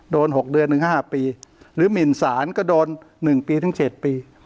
โดนหกเดือนหนึ่งห้าปีหรือหมินศาลก็โดนหนึ่งปีถึงเจ็ดปี